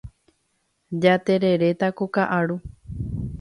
Jatereréta ko ka'aru.